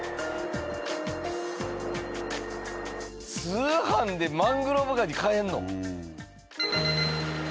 通販でマングローブ蟹買えるの！？